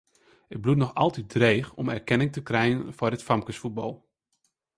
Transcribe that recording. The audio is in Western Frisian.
It bliuwt noch altyd dreech om erkenning te krijen foar it famkesfuotbal.